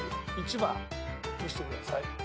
１番見せてください。